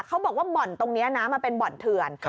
เขาบอกว่าบ่อนตรงนี้นะมันเป็นบ่อนเถื่อน